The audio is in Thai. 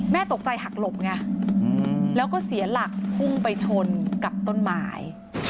ตกใจหักหลบไงแล้วก็เสียหลักพุ่งไปชนกับต้นไม้